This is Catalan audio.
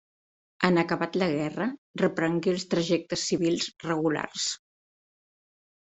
En acabat la guerra reprengué els trajectes civils regulars.